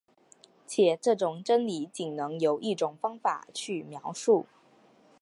且这种真理仅能由一种方法去描述。